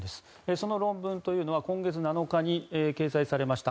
その論文は今月７日に掲載されました